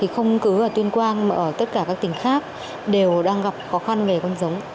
không cứ ở tuyên quang mà ở tất cả các tỉnh khác đều đang gặp khó khăn về con giống